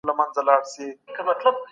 د زعفرانو پروسس عصري کړي.